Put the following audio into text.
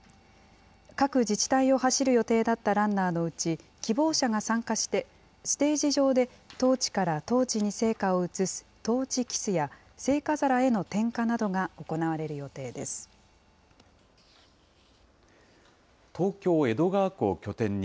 各自治体を走る予定だったランナーのうち、希望者が参加して、ステージ上でトーチからトーチに聖火を移すトーチキスや、聖火皿への点火などが行われる予定です。